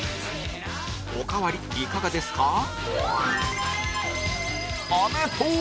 おかわりいかがですか？